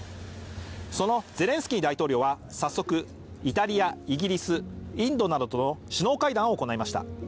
そのゼレンスキー大統領は早速イタリア、イギリス、インドなどとの首脳会談を行いました。